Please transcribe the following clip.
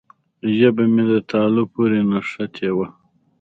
ژبه مې تالو پورې نښتې وه.